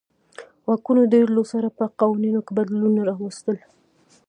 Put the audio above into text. واکونو ډېرولو سره په قوانینو کې بدلونونه راوستل.